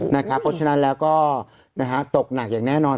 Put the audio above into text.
เพราะฉะนั้นแล้วก็ตกหนักอย่างแน่นอน